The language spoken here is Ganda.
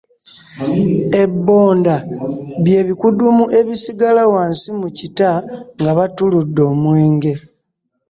Ebbonda bye bikudumu ebisigala wansi mu kita nga battuludde omwenge.